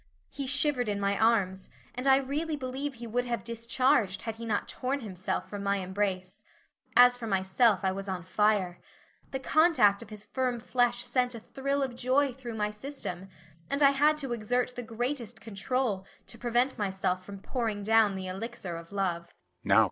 He shivered in my arms, and I really believe he would have discharged had he not torn himself from my embrace. As for myself I was on fire. The contact of his firm flesh sent a thrill of joy through my system, and I had to exert the greatest control to prevent myself from pouring down the elixir of love.